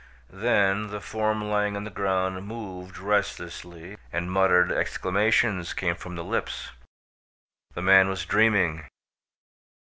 Then the form lying on the ground moved restlessly and muttered exclamations came from the lips. The man was dreaming.